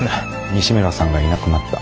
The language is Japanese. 西村さんがいなくなった。